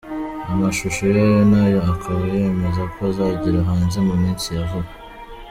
Amashusho yayo nayo akaba yemeza ko azagera hanze mu minsi ya vuba.